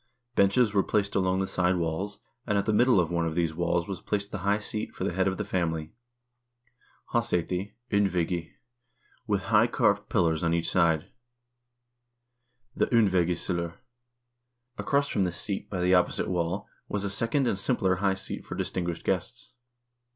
Benches were placed along the side walls, and at the middle of one of these walls was placed the high seat for the head of the family (hdsceti, ondvegi), with high carved pillars on each side, the qndvegissulur. Across from this seat, by the opposite wall, was a second and simpler high seat for distinguished guests.